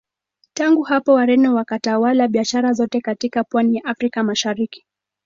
Tangu hapo Wareno wakatawala biashara zote katika Pwani ya Afrika Mashariki